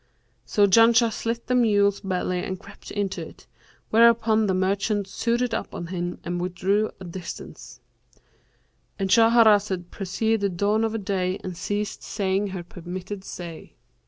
So Janshah slit the mule's belly and crept into it, whereupon the merchant sewed it up on him and withdrew to a distance,"—And Shahrazad perceived the dawn of day and ceased saying her permitted say.